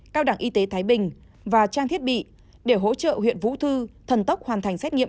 cao đẳng y tế thái bình và trang thiết bị để hỗ trợ huyện vũ thư thần tốc hoàn thành xét nghiệm